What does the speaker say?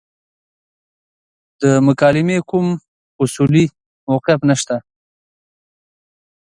د مکالمې کوم اصولي موقف نشته.